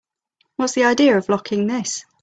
What's the idea of locking this?